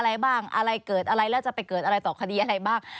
อะไรบ้างอะไรเกิดอะไรแล้วจะไปเกิดอะไรต่อคดีอะไรบ้าง